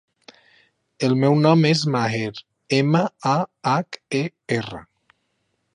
El meu nom és Maher: ema, a, hac, e, erra.